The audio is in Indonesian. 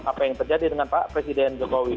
apa yang terjadi dengan pak presiden jokowi